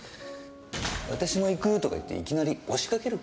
「私も行く！」とか言っていきなり押しかけるか？